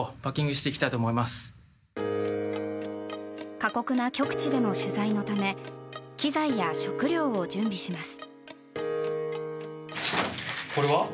過酷な極地での取材のため機材や食料を準備します。